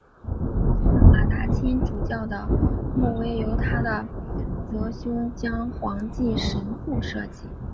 马达钦主教的牧徽由他的铎兄蒋煌纪神父设计。